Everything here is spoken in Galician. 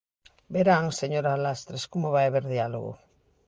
Verán, señora Lastres, como vai haber diálogo.